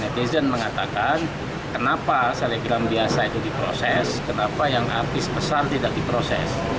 netizen mengatakan kenapa selebgram biasa itu diproses kenapa yang artis besar tidak diproses